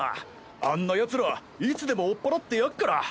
あんなヤツらいつでも追っ払ってやっから。